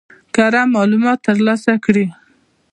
کره معلومات ترلاسه کړي.